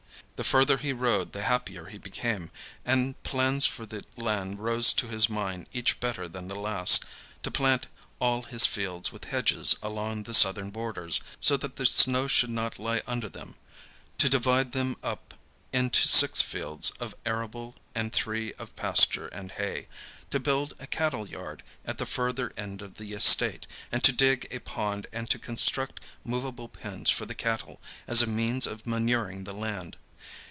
The further he rode, the happier he became, and plans for the land rose to his mind each better than the last; to plant all his fields with hedges along the southern borders, so that the snow should not lie under them; to divide them up into six fields of arable and three of pasture and hay; to build a cattle yard at the further end of the estate, and to dig a pond and to construct movable pens for the cattle as a means of manuring the land.